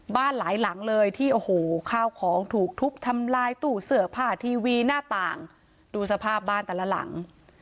หลายหลังเลยที่โอ้โหข้าวของถูกทุบทำลายตู้เสื้อผ้าทีวีหน้าต่างดูสภาพบ้านแต่ละหลัง